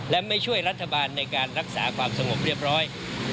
และไม่ช่วยรัฐบาลในการรักษาความสงบเรียบร้อย